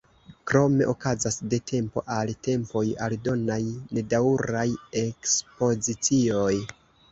Krome okazas de tempo al tempoj aldonaj nedaŭraj ekspozicioj.